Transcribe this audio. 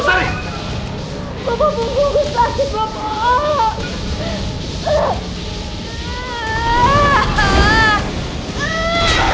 bapak bapak bapak aku sakit bapak